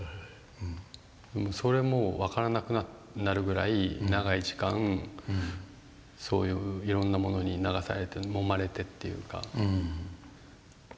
それも分からなくなるぐらい長い時間そういういろんなものに流されてもまれてっていうか。